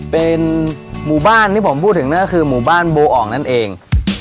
เป็นหมู่บ้านที่ผมพูดถึงนั่นก็คือหมู่บ้านโบอ่องนั่นเอง